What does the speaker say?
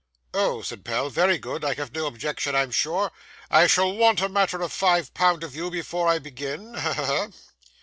'Oh!' said Pell, 'very good. I have no objections, I'm sure. I shall want a matter of five pound of you before I begin, ha! ha! ha!